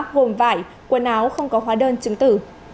gồm vải quần áo không có hóa đơn chứng tử